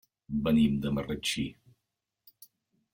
Venim de Marratxí.